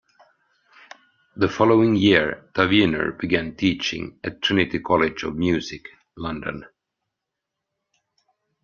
The following year Tavener began teaching at Trinity College of Music, London.